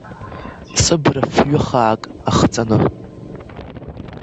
Ҵыбра фҩы-хаак ахҵаны…